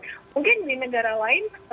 cukup bagus mungkin di negara lain